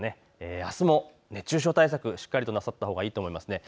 あすも熱中症対策、しっかりとなさったほうがいいと思います。